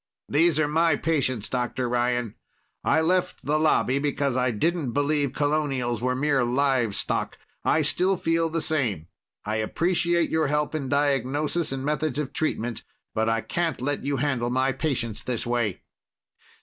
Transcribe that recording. "These are my patients, Dr. Ryan. I left the Lobby because I didn't believe colonials were mere livestock. I still feel the same. I appreciate your help in diagnosis and methods of treatment. But I can't let you handle my patients this way."